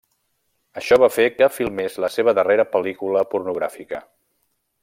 Això va fer que filmés la seva darrera pel·lícula pornogràfica.